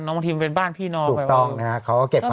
ซึ่งตามมาพี่พีมใหญ่เสมอ